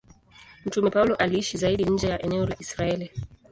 Mtume Paulo aliishi zaidi nje ya eneo la Israeli.